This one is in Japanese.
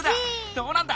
どうなんだ。